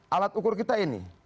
alat ukur kita ini